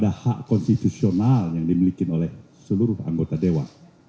dan kemampuan konstitusional yang dimiliki oleh seluruh anggota dewa